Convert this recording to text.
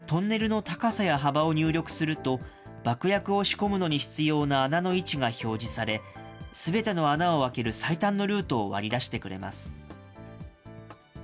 全自動のドリルは、トンネルの高さや幅を入力すると、爆薬を仕込むのに必要な穴の位置が表示され、すべての穴を開ける最短のルートを割り出してくれます。